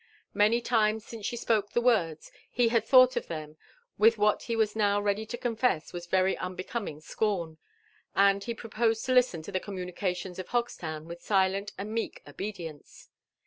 Many limes since she spoke the words, he had thought of them with what he was now ready to confess was very un becoming scorn, and he proposed to listen to the communications of Hogslown with silent and meek obedience.